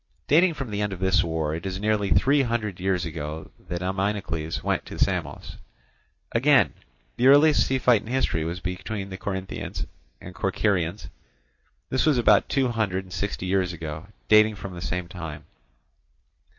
Dating from the end of this war, it is nearly three hundred years ago that Ameinocles went to Samos. Again, the earliest sea fight in history was between the Corinthians and Corcyraeans; this was about two hundred and sixty years ago, dating from the same time.